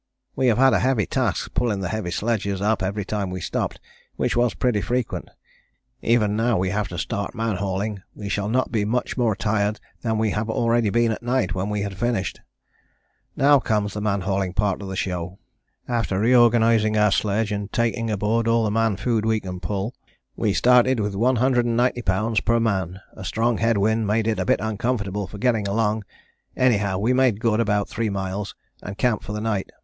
We have had a heavy task pulling the heavy sledges up every time we stopped, which was pretty frequent, even now we have to start man hauling we shall not be much more tired than we have already been at night when we had finished. Now comes the man hauling part of the show, after reorganizing our sledge and taking aboard all the man food we can pull, we started with 190 lbs. per man, a strong head wind made it a bit uncomfortable for getting along, anyhow we made good about three miles and camped for the night.